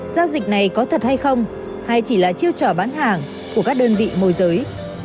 giao dịch này có thật hay không hay chỉ là chiêu trò bán hàng của các đơn vị môi giới